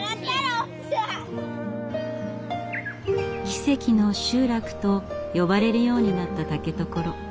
「奇跡の集落」と呼ばれるようになった竹所。